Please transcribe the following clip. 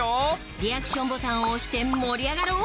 リアクションボタンを押して盛り上がろう！